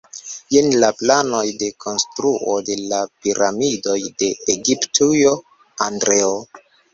Jen la planoj de konstruo de la piramidoj de Egiptujo, Andreo.